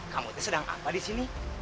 kamu tuh sedang apa disini